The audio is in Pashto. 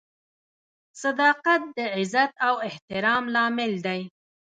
• صداقت د عزت او احترام لامل دی.